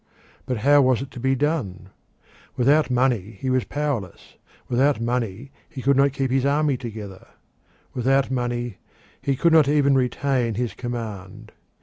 But how was it to be done? Without money he was powerless; without money he could not keep his army together; without money he could not even retain his command.